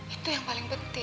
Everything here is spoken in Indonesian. itu yang paling penting